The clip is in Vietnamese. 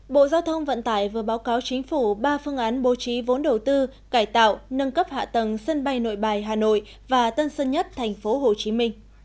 bộ giao thông vận tải vừa báo cáo chính phủ ba phương án bố trí vốn đầu tư cải tạo nâng cấp hạ tầng sân bay nội bài hà nội và tân sơn nhất tp hcm